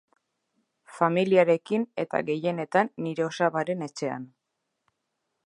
Familiarekin eta gehienetan nire osabaren etxean.